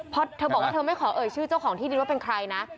เพราะเธอบอกว่าเธอไม่ขอเอ่ยชื่อเจ้าของที่ดินว่าเป็นใครนะ